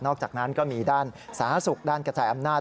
อกจากนั้นก็มีด้านสาธารณสุขด้านกระจายอำนาจ